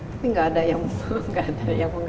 tapi gak ada yang mengerjakan